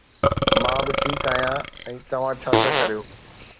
مان به ٺيڪ آهيان. ۽ توهان ڇا پيا ڪريو؟